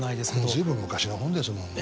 随分昔の本ですもんね。